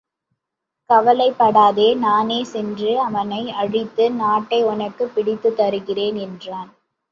கவலைப்படாதே நானே சென்று அவனை அழித்து நாட்டை உனக்குப் பிடித்துத் தருகிறேன் என்றான்.